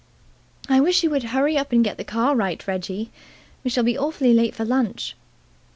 "I wish you would hurry up and get the car right, Reggie. We shall be awfully late for lunch."